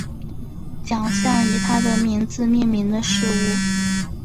奖项以他的名字命名的事物